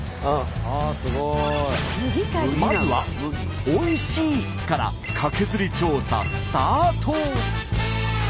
まずは「おいしい」からカケズリ調査スタート。